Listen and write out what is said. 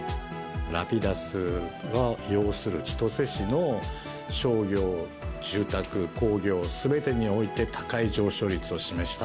ラピダスを擁する千歳市の商業、住宅、工業すべてにおいて高い上昇率を示した。